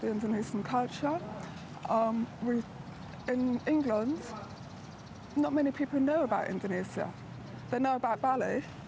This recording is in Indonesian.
anda bilang anda adalah pelajar universitas